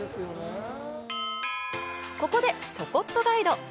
ここで「ちょこっとガイド」！